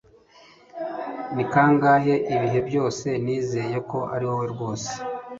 ni kangahe ibihe byose nizeye ko ariwowe rwose